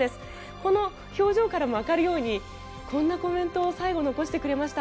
この表情からもわかるようにこんなコメントを最後、残してくれました。